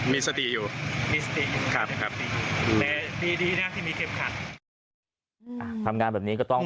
มีสติอยู่ครับครับแต่ดีดีนะที่มีเค็มคันอ่าทำงานแบบนี้ก็ต้อง